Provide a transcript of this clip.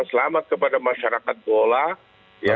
selamat kepada masyarakat gola